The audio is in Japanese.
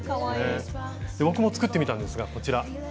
僕も作ってみたんですがこちら。